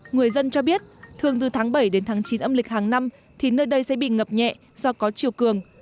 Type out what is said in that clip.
người dân cho biết thường từ tháng bảy đến tháng chín âm lịch hàng năm thì nơi đây sẽ bị ngập nhẹ do có chiều cường